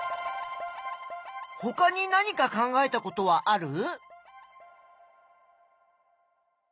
ほかに何か考えたことはある？